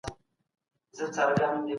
تاسي تل د خپلي روغتیا پام ساتئ.